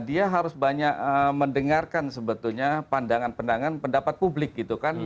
dia harus banyak mendengarkan pandangan pandangan pendapat publik